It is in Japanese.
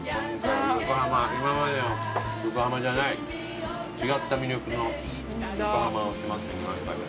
今までの横浜じゃない違った魅力の横浜を迫ってみましたけど。